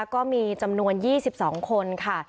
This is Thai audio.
ก็มีจำนวน๒๒คนค่ะ